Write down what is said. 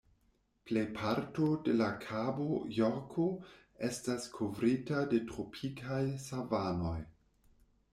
Plej parto de la Kabo Jorko estas kovrita de tropikaj savanoj.